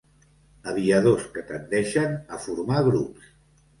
Aviadors que tendeixen a formar grups.